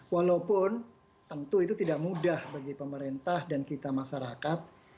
walaupun tentu itu tidak mudah bagi pemerintah dan kita masyarakat